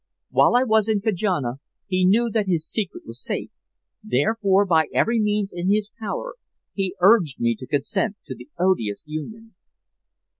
While I was in Kajana he knew that his secret was safe, therefore by every means in his power he urged me to consent to the odious union.